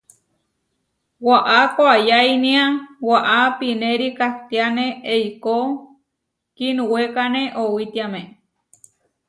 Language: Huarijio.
Waʼá koayáinia waʼá pinéri kahtiáne eikó, kiinuwékane owitiáme.